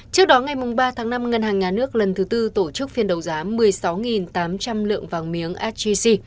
trước đó ngày ba tháng năm ngân hàng nhà nước lần thứ tư tổ chức phiên đấu giá một mươi sáu tám trăm linh lượng vàng miếng sgc